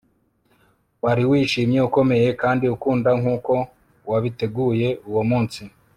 wari wishimye, ukomeye kandi ukunda nkuko wabiteguye uwo munsi